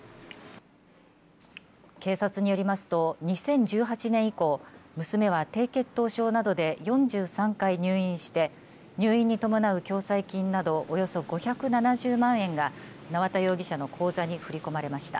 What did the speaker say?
警察によりますと２０１８年以降娘は低血糖症などで４３回入院して入院に伴う共済金などおよそ５７０万円が縄田容疑者の口座に振り込まれました。